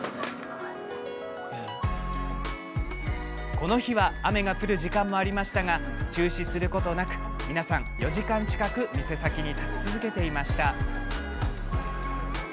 この日は雨が降る時間もありましたが中止することなく皆さん４時間近く店先に立ち続けていました。